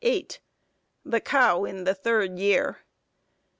_The Cow in the third year.